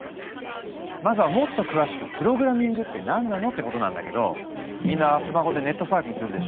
まずはもっと詳しく「プログラミングって何なの？」ってことなんだけどみんなスマホでネットサーフィンするでしょ？